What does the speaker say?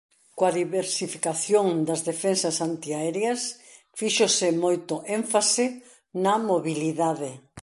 Coa diversificación das defensas antiaéreas fíxose moito énfase na mobilidade.